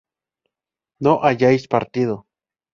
no hayáis partido